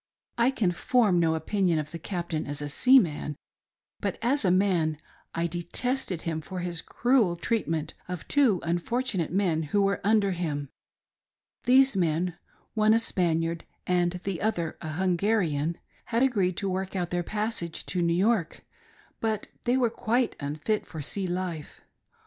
I can form no opinion of the captain as a seaman, but as a man I detested him for his cruel treatment of two unfortunate men who were under him. These men — one a Spaniard, and th$ other a Hungarian — had agreed to work out their passage tp New York, but they were quite unfit for sea life.